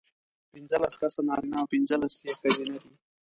پینځلس کسه نارینه او پینځلس یې ښځینه دي.